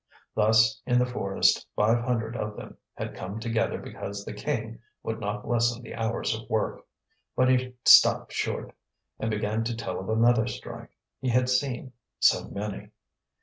Thus in the forest five hundred of them had come together because the king would not lessen the hours of work; but he stopped short, and began to tell of another strike he had seen so many!